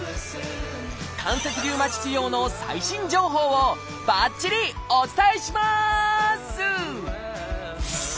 関節リウマチ治療の最新情報をばっちりお伝えします！